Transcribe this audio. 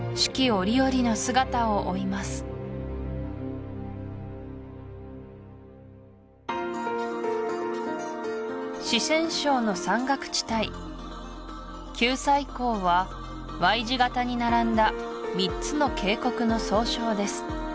折々の姿を追います四川省の山岳地帯九寨溝はＹ字形に並んだ３つの渓谷の総称です